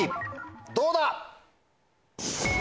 どうだ？